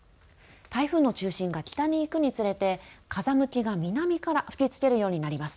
台風の中心が北にいくにつれて風向きが南から吹きつけるようになります。